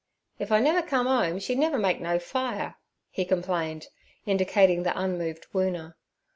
'If I never come 'ome she'd never make no fire' he complained, indicating the unmoved Woona.